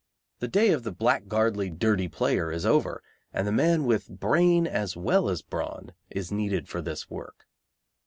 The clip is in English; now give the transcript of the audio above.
The day of the blackguardly dirty player is over, and the man with brain as well as brawn is needed for this work.